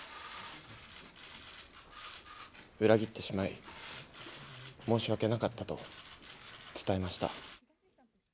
裏切ってしまい、申し訳なかったと伝えました。